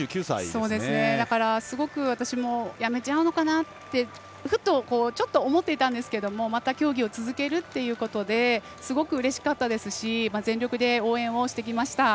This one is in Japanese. だから、すごく私もやめちゃうのかなってちょっと思っていたんですけどまた競技を続けるということですごくうれしかったですし全力で応援をしてきました。